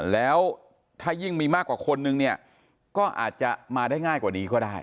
แล้วถ้ายิ่งมีมากกว่าคนนึงเนี่ยก็อาจจะมาได้ง่ายกว่านี้ก็ได้